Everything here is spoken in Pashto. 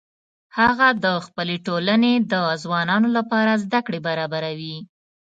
هغه د خپلې ټولنې د ځوانانو لپاره زده کړې برابروي